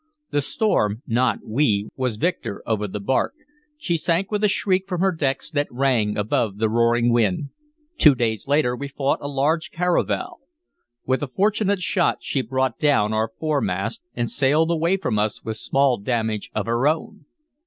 The storm, not we, was victor over the bark; she sank with a shriek from her decks that rang above the roaring wind. Two days later we fought a large caravel. With a fortunate shot she brought down our foremast, and sailed away from us with small damage of her own.